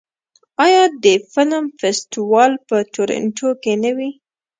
آیا د فلم فستیوال په تورنټو کې نه وي؟